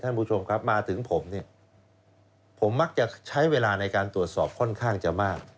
ท่านผู้ชมครับมาถึงผมเนี่ยผมมักจะใช้เวลาในการตรวจสอบค่อนข้างจะมาก